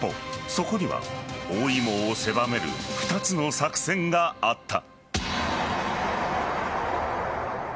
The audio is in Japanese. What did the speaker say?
そこには包囲網を狭める２つの作戦があった。